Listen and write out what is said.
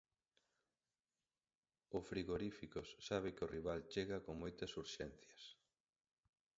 O Frigoríficos sabe que o rival chega con moitas urxencias.